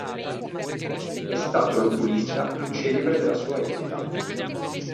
È stato l'oculista più celebre della sua epoca.